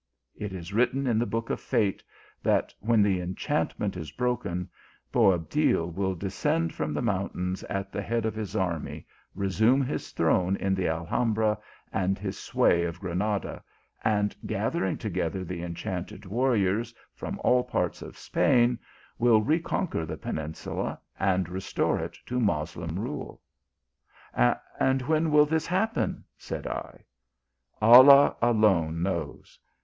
It is written in the book of fate, that when the enchantment is broken, Boabdil will descend from the mountains at the head of this army, resume his throne in the Al hambra and his sway of Granada, and gathering together the enchanted warriors from all parts of Spain, will reconquer the peninsula, and restore it to Moslem rule. " And when shall this happen ? said I. " Allah alone knows.